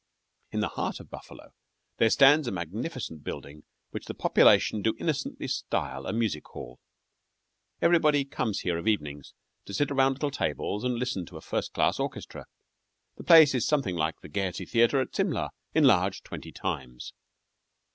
In the heart of Buffalo there stands a magnificent building which the population do innocently style a music hall. Everybody comes here of evenings to sit around little tables and listen to a first class orchestra. The place is something like the Gaiety Theatre at Simla, enlarged twenty times.